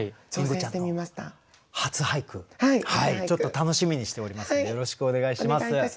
ちょっと楽しみにしておりますのでよろしくお願いします。